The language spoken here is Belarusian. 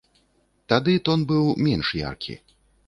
Тады тон быў менш яркі.